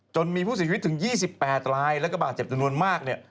จนมีผู้สิทธิ์วิทย์ถึง๒๘รายและกระบาดเจ็บจำนวนมาก